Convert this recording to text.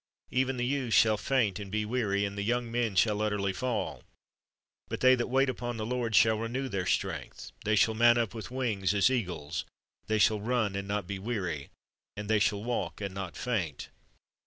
"Even the youths shall faint and be weary, and the young men shall utterly fall: but they that wait upon the Lord shall renew their strength; they shall mount up with wings as eagles; they shall run, and not be weary; and they shall walk, and not faint."'